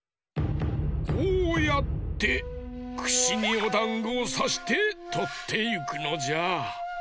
こうやってくしにおだんごをさしてとっていくのじゃ。